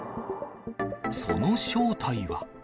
その正体は。